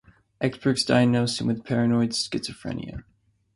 Experts diagnosed him with paranoid schizophrenia.